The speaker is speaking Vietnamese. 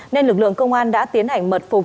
nên lực lượng công an đã tiến hành mật phục